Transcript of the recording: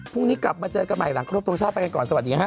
พรุ่งนี้กลับมาเจอกันใหม่หลังครบทรงชาติไปกันก่อนสวัสดีค่ะ